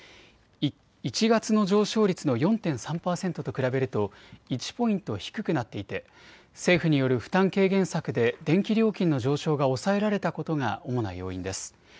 １月の上昇率の４．３％と比べると１ポイント低くなっていて政府による負担軽減策で電気料金の上昇が抑えられたことが主な要因です。